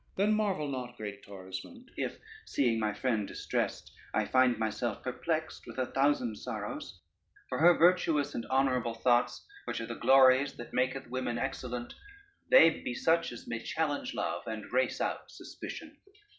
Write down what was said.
Then marvel not, great Torismond, if, seeing my friend distressed, I find myself perplexed with a thousand sorrows; for her virtuous and honorable thoughts, which are the glories that maketh women excellent, they be such as may challenge love, and rase out suspicion.